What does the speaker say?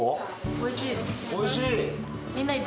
おいしい？